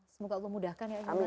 semoga allah memudahkan ya hizlan